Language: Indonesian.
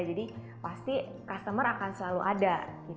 jadi pasti customer akan selalu ada